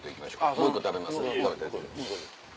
もう１個食べます？